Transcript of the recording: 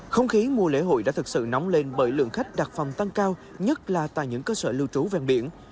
không khí mùa lễ hội đã thật sự nóng lên bởi lượng khách đạp phòng tăng cao nhất là tại những cơ sở lưu trú vàng biển